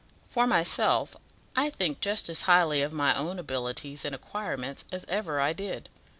For myself, I think just as highly of my own abilities and acquirements as ever I did.